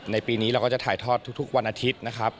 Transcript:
ในปีนี้เราก็จะถ่ายทอดทุกวันอาทิตย์นะครับ